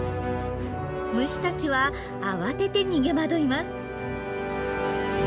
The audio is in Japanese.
虫たちは慌てて逃げ惑います。